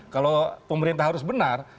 kalau pemerintah harus benar